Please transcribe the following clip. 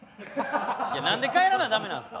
いや何で帰らなダメなんすか？